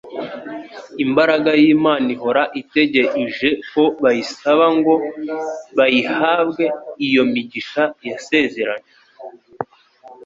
Imbaraga y'Imana ihora itegeieje ko bayisaba ngo bayihabwe Iyo migisha yasezeranywe